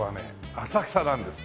浅草なんです。